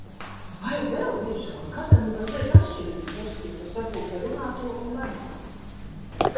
Vai vēl biežāk – katram ir mazliet atšķirīga versija par sapulcē runāto un lemto.